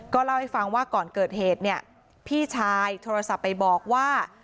เล่าให้ฟังว่าก่อนเกิดเหตุเนี่ยพี่ชายโทรศัพท์ไปบอกว่า